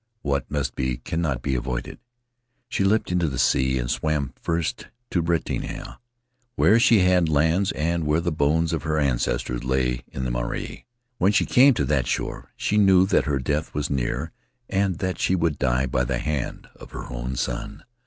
What must be cannot be avoided. She leaped into the sea and swam first to Raiatea, where she had lands and where the bones o£ her ancestors lay in the marae. When she came to that shore she knew that her death was near and that she would die by the hand of her own son.